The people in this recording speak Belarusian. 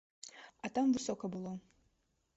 А там высока было.